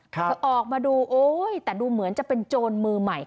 เธอออกมาดูโอ๊ยแต่ดูเหมือนจะเป็นโจรมือใหม่